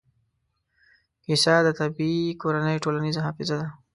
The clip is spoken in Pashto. کیسه د طبعي کورنۍ ټولنیزه حافظه ده.